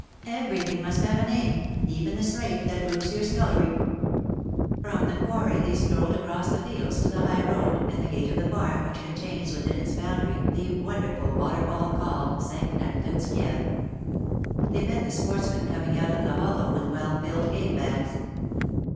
" Everything must have a name, even the slate that roofs your scullery.'' 230 ^^BUT IT SUFFICETH, From the quarry they strolled across the fields to the high road^ and the gate of the farm which contains within its boundary the wonderful water fall called St. Nectan's Kieve. They met the sportsmen coming out of the hollow with well filled game bags.